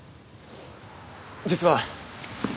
実は。